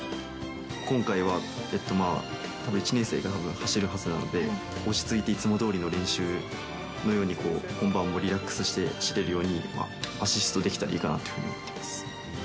今回はたぶん１年生も走るはずなので、落ち着いていつもどおりの練習のように、本番もリラックスして走れるようにアシストできたらいいかなと思ってます。